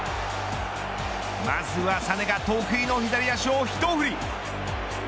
まずはサネが得意の左足を一振り。